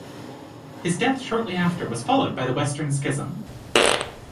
His death shortly after was followed by the Western Schism.